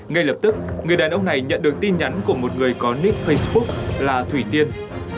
ngay lập tức người đàn ông này nhận được tin nhắn của một người có nick facebook là thủy tiên